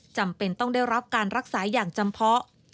จำเป็นต้องได้รับการรักษาอย่างจำเพาะ